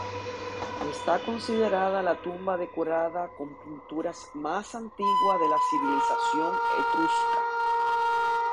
Está considerada la tumba decorada con pinturas más antigua de la civilización etrusca.